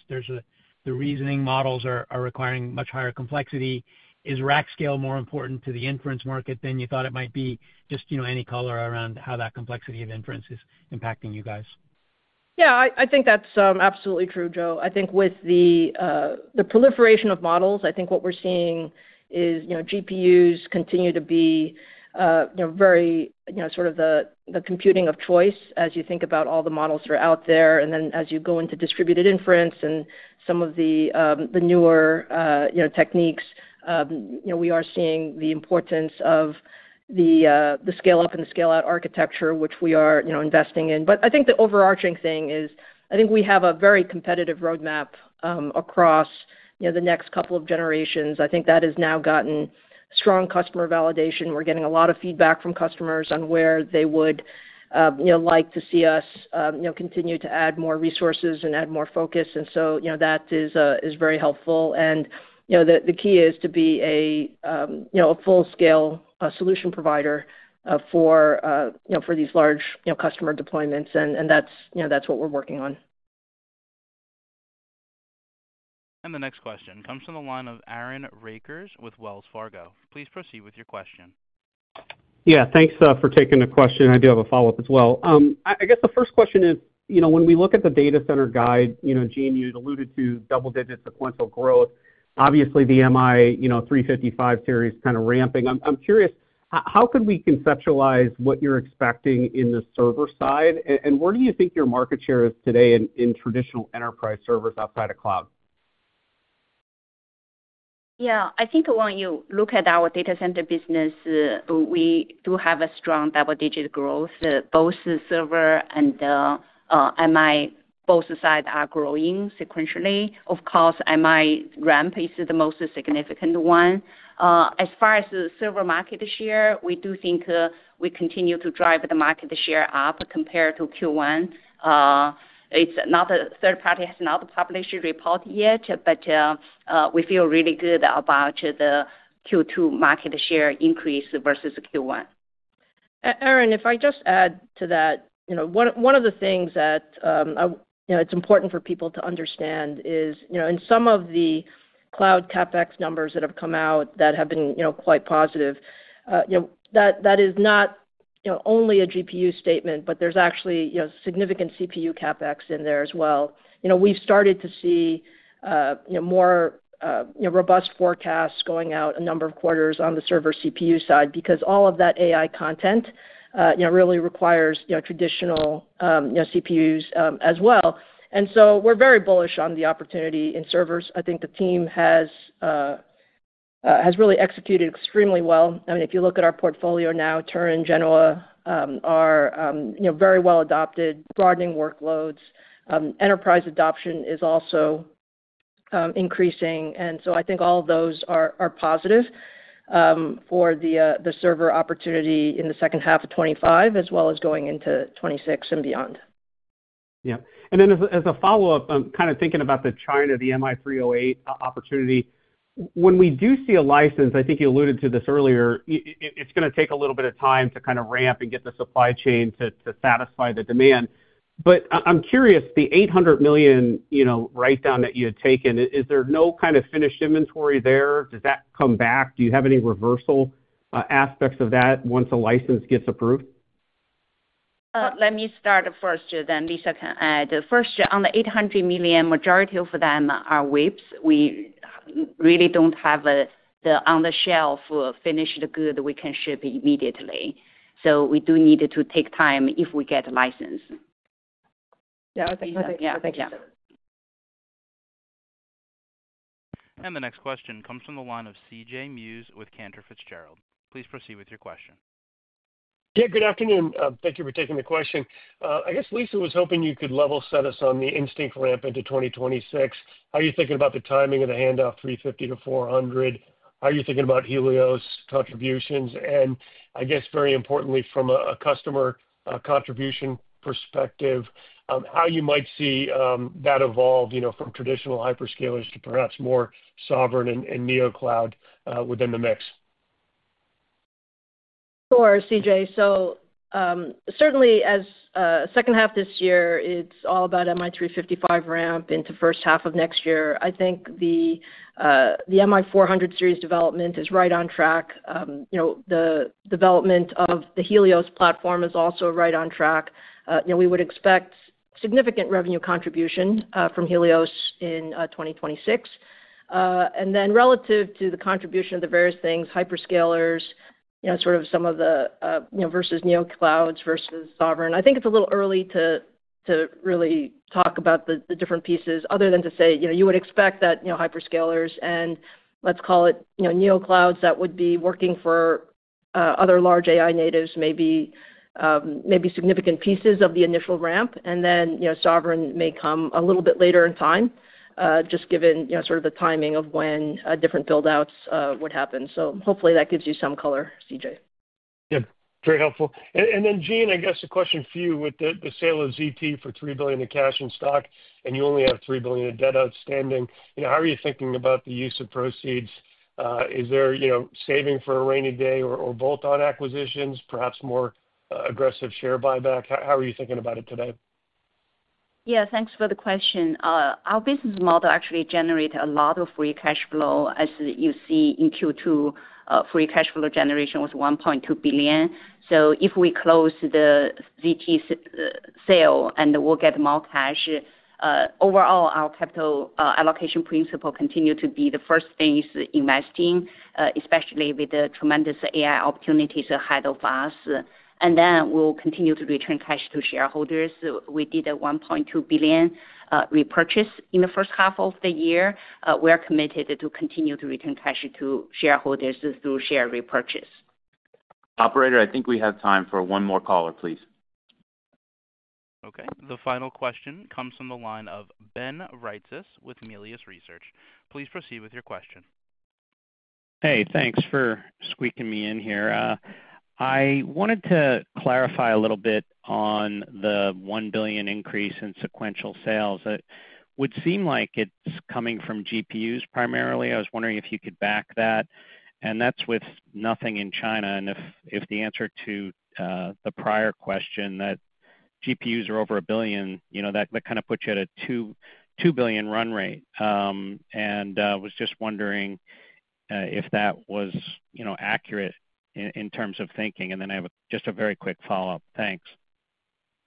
the reasoning models are requiring much higher complexity. Is rack scale more important to the inference market than you thought it might be? Just any color around how that complexity of inference is impacting you guys. Yeah, I think that's absolutely true, Joe. I think with the proliferation of models, what we're seeing is GPUs continue to be very much the computing of choice as you think about all the models that are out there. As you go into distributed inference and some of the newer techniques, we are seeing the importance of the scale-up and scale-out architecture, which we are investing in. I think the overarching thing is we have a very competitive roadmap across the next couple of generations. That has now gotten strong customer validation. We're getting a lot of feedback from customers on where they would like to see us continue to add more resources and add more focus, so that is very helpful. The key is to be a full-scale solution provider for these large customer deployments. That's what we're working on. The next question comes from the line of Aaron Rakers with Wells Fargo. Please proceed with your question. Yeah, thanks for taking the question. I do have a follow-up as well. I guess the first question is, when we look at the data center guide, Jean, you alluded to double-digit sequential growth. Obviously, the MI-350 series is kind of ramping. I'm curious, how could we conceptualize what you're expecting in the server side? Where do you think your market share is today in traditional enterprise servers outside of cloud? I think when you look at our data center business, we do have a strong double-digit growth. Both server and MI, both sides are growing sequentially. Of course, MI ramp is the most significant one. As far as the server market share, we do think we continue to drive the market share up compared to Q1. It's not a third party has not published a report yet, but we feel really good about the Q2 market share increase versus Q1. Aaron, if I just add to that, one of the things that it's important for people to understand is in some of the cloud CapEx numbers that have come out that have been quite positive, that is not only a GPU statement, but there's actually significant CPU CapEx in there as well. We've started to see more robust forecasts going out a number of quarters on the server CPU side because all of that AI content really requires traditional CPUs as well. We are very bullish on the opportunity in servers. I think the team has really executed extremely well. If you look at our portfolio now, Turin and Genoa are very well adopted, broadening workloads. Enterprise adoption is also increasing. I think all of those are positive for the server opportunity in the second half of 2025, as well as going into 2026 and beyond. Yeah, and then as a follow-up, I'm kind of thinking about the China, the MI-308 opportunity. When we do see a license, I think you alluded to this earlier, it's going to take a little bit of time to kind of ramp and get the supply chain to satisfy the demand. I'm curious, the $800 million write-down that you had taken, is there no kind of finished inventory there? Does that come back? Do you have any reversal aspects of that once a license gets approved? Let me start first, then Lisa can add. First, on the $800 million, majority of them are WIPs. We really don't have the on-the-shelf finished good we can ship immediately. We do need to take time if we get a license. Yeah, I think so. [crosstalk] The next question comes from the line of C.J. Muse with Cantor Fitzgerald. Please proceed with your question. Yeah, good afternoon. Thank you for taking the question. I guess, Lisa, was hoping you could level set us on the Instinct ramp into 2026. How are you thinking about the timing of the handoff 350 to 400? How are you thinking about Helios contributions? I guess, very importantly, from a customer contribution perspective, how you might see that evolve from traditional hyperscalers to perhaps more sovereign and Neo cloud within the mix? Sure, C.J. Certainly, as the second half this year, it's all about MI-350 series ramp into the first half of next year. I think the MI-400 series development is right on track. The development of the Helios platform is also right on track. We would expect significant revenue contribution from Helios in 2026. Relative to the contribution of the various things, hyperscalers, sort of some of the versus Neo clouds versus sovereign, I think it's a little early to really talk about the different pieces, other than to say you would expect that hyperscalers and let's call it Neo clouds that would be working for other large AI natives may be significant pieces of the initial ramp. Sovereign may come a little bit later in time, just given sort of the timing of when different build-outs would happen. Hopefully, that gives you some color, C J. Yeah, very helpful. Jean, I guess a question for you with the sale of ZT Systems for $3 billion in cash and stock, and you only have $3 billion in debt outstanding. How are you thinking about the use of proceeds? Is there saving for a rainy day or bolt-on acquisitions, perhaps more aggressive share buyback? How are you thinking about it today? Yeah, thanks for the question. Our business model actually generates a lot of free cash flow. As you see in Q2, free cash flow generation was $1.2 billion. If we close the ZT Systems sale, we'll get more cash. Overall, our capital allocation principle continues to be the first thing is investing, especially with the tremendous AI opportunities ahead of us. We will continue to return cash to shareholders. We did a $1.2 billion repurchase in the first half of the year. We are committed to continue to return cash to shareholders through share repurchase. Operator, I think we have time for one more caller, please. OK, the final question comes from the line of Ben Reitzes with Melius Research. Please proceed with your question. Hey, thanks for squeezing me in here. I wanted to clarify a little bit on the $1 billion increase in sequential sales. It would seem like it's coming from GPUs primarily. I was wondering if you could back that. That's with nothing in China. If the answer to the prior question that GPUs are over $1 billion, that kind of puts you at a $2 billion run rate. I was just wondering if that was accurate in terms of thinking. I have just a very quick follow-up. Thanks.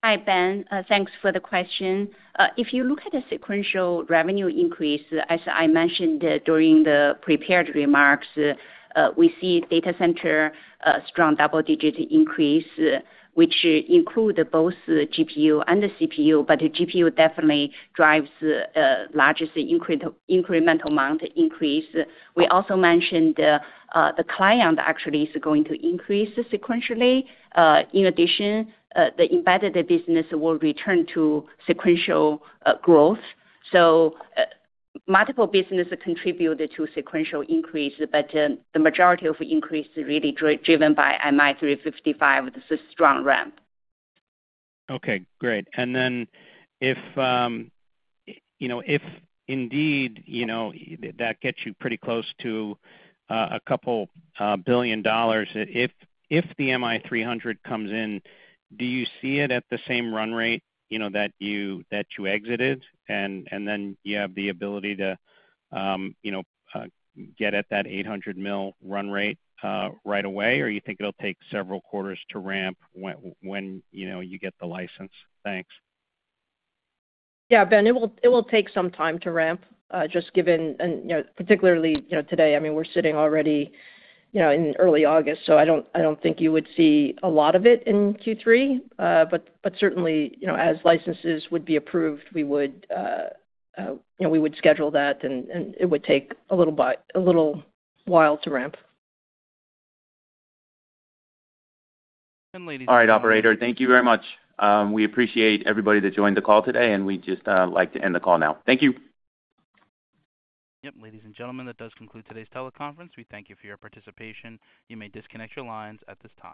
Hi, Ben. Thanks for the question. If you look at the sequential revenue increase, as I mentioned during the prepared remarks, we see data center strong double-digit increase, which includes both GPU and CPU. GPU definitely drives the largest incremental amount increase. We also mentioned the client actually is going to increase sequentially. In addition, the embedded business will return to sequential growth. Multiple businesses contribute to sequential increase, but the majority of increase is really driven by MI350 series, the strong ramp. OK, great. If indeed that gets you pretty close to a couple billion dollars, if the MI300 comes in, do you see it at the same run rate that you exited? You have the ability to get at that $800 million run rate right away? Do you think it'll take several quarters to ramp when you get the license? Thanks. Yeah, Ben, it will take some time to ramp, just given particularly today. I mean, we're sitting already in early August. I don't think you would see a lot of it in Q3. Certainly, as licenses would be approved, we would schedule that, and it would take a little while to ramp. All right, Operator, thank you very much. We appreciate everybody that joined the call today. We'd just like to end the call now. Thank you. Ladies and gentlemen, that does conclude today's teleconference. We thank you for your participation. You may disconnect your lines at this time.